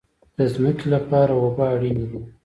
د ځمکې لپاره اوبه اړین دي